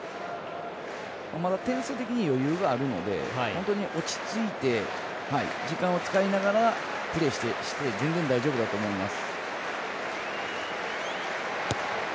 まだ点差的に余裕があるので本当に落ち着いて時間を使いながらプレーして全然、大丈夫だと思います。